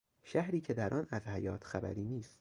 شهری که در آن از حیات خبری نیست.